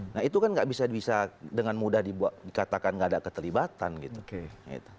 nah itu kan nggak bisa dengan mudah dikatakan nggak ada keterlibatan gitu